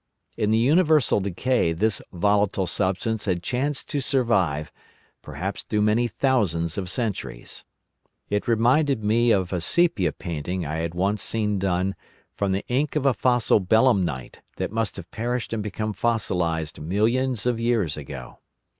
In the universal decay this volatile substance had chanced to survive, perhaps through many thousands of centuries. It reminded me of a sepia painting I had once seen done from the ink of a fossil Belemnite that must have perished and become fossilised millions of years ago.